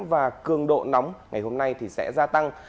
và cường độ nóng ngày hôm nay sẽ gia tăng